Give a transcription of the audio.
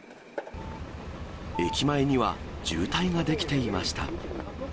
駅前には渋滞が出来ていました。